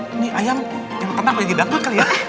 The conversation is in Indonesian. ini ayam yang tenang yang didangkat kali ya